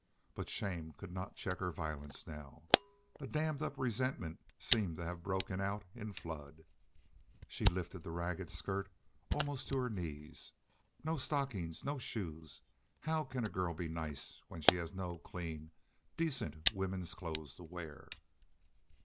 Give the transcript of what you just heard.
But shame could not check her violence now. A dammed up resentment seemed to have broken out in flood. She lifted the ragged skirt almost to her knees. "No stockings! No Shoes! ... How can a girl be nice when she has no clean, decent woman's clothes to wear?"